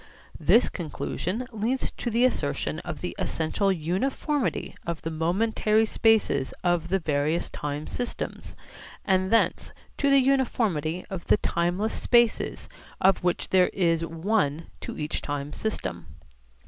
This conclusion leads to the assertion of the essential uniformity of the momentary spaces of the various time systems, and thence to the uniformity of the timeless spaces of which there is one to each time system.